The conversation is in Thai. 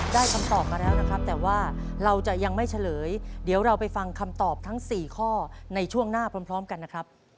คำตอบมาแล้วนะครับแต่ว่าเราจะยังไม่เฉลยเดี๋ยวเราไปฟังคำตอบทั้ง๔ข้อในช่วงหน้าพร้อมกันนะครับ